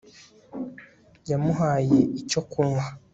yamuhaye icyo kunywa